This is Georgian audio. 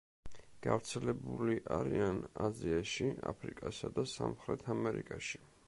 გავრცელებული არიან აზიაში, აფრიკასა და სამხრეთ ამერიკაში.